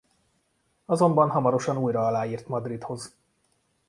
Azonban hamarosan újra aláírt Madridhoz.